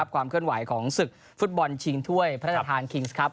ความเคลื่อนไหวของศึกฟุตบอลชิงถ้วยพระราชทานคิงส์ครับ